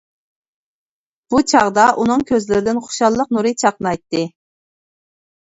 بۇ چاغدا ئۇنىڭ كۆزلىرىدىن خۇشاللىق نۇرى چاقنايتتى.